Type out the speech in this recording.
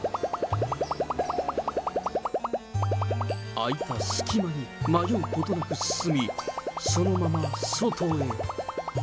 空いた隙間に迷うことなく進み、そのまま外へ。